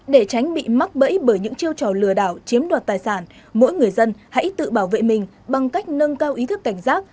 để tránh bị mắc bẫy bởi những chiêu trò lừa đảo chiếm đoạt tài sản mỗi người dân hãy tự bảo vệ mình bằng cách nâng cao ý thức cảnh giác